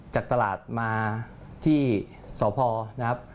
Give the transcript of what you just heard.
จากตลาดมาที่สพนะครับ